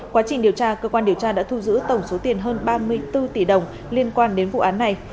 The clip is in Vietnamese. quá trình điều tra cơ quan điều tra đã thu giữ tổng số tiền hơn ba mươi bốn tỷ đồng liên quan đến vụ án này